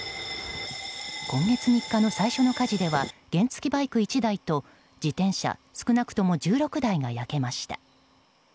今月３日の最初の火事では原付きバイク１台と自転車少なくとも１６台が焼けました。